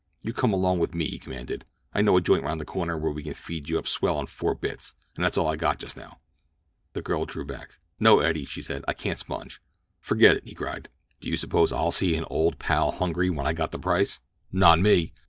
"You come along with me," he commanded. "I know a joint round the corner where we can feed up swell on four bits, and that's all I got just now." The girl drew back. "No, Eddie," she said; "I can't sponge." "Forget it," he cried. "Do you suppose I'll see an old pal hungry when I got the price? Not me!"